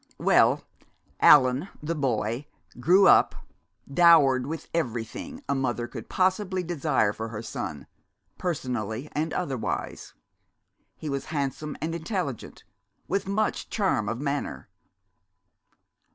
"Well, Allan, the boy, grew up, dowered with everything a mother could possibly desire for her son, personally and otherwise. He was handsome and intelligent, with much charm of manner."